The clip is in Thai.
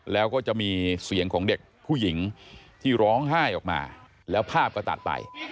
แล้วก็จะมีเสียงของเด็กผู้หญิงที่ร้องไห้ออกมาแล้วภาพก็ตัดไป